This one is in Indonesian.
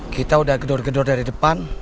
kita udah gedor gedor dari depan